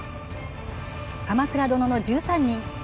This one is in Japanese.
「鎌倉殿の１３人」。